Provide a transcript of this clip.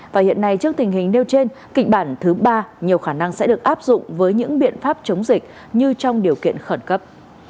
và hiện nay trước tình hình nêu trên kịch bản thứ ba nhiều khả năng sẽ được áp dụng với những biện pháp chống dịch như trong điều kiện khẩn cấp